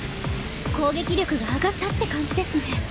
攻撃力が上がったって感じですね。